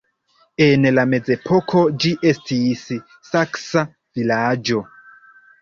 En la mezepoko ĝi estis saksa vilaĝo.